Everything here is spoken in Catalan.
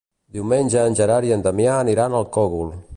Diumenge en Gerard i en Damià aniran al Cogul.